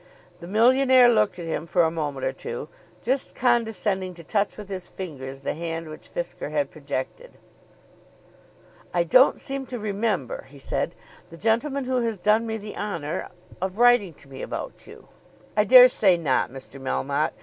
The millionaire looked at him for a moment or two, just condescending to touch with his fingers the hand which Fisker had projected. "I don't seem to remember," he said, "the gentleman who has done me the honour of writing to me about you." "I dare say not, Mr. Melmotte.